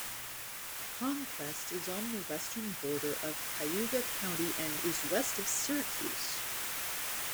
Conquest is on the western border of Cayuga County and is west of Syracuse.